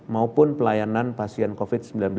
maupun pelayanan pasien covid sembilan belas